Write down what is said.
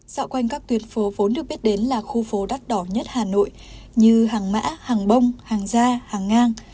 dạo quanh các tuyến phố vốn được biết đến là khu phố đắt đỏ nhất hà nội như hàng mã hàng bông hàng gia hàng ngang